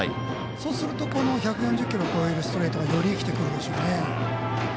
そうすると１４０キロ超えるストレートがより生きてくるでしょうね。